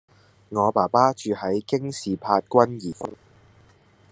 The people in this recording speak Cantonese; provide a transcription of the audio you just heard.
我爸爸住喺京士柏君頤峰